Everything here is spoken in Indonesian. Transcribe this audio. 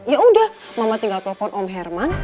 ya udah mama tinggal telepon om herman